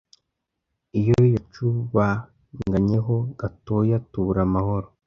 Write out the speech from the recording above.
iyo yacubanganyeho gatoya tubura amahoro